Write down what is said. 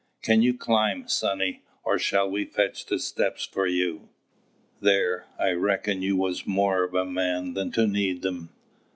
"Can you climb, sonny, or shall we fetch the steps for you? There, I reckoned you was more of a man than to need 'em!"